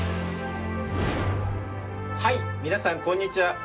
はい皆さんこんにちは！